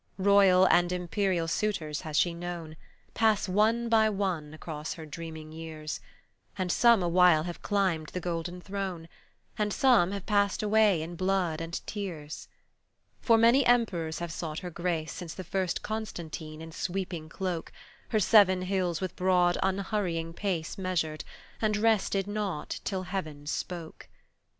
Royal and imperial suitors has she known Pass one by one across her dreaming years, And some a while have climbed the golden throne, And some have passed away in blood and tears; For many emperors have sought her grace Since the first Constantine in sweeping cloak Her seven hills with broad unhurrying pace Measured, and rested not till Heaven spoke.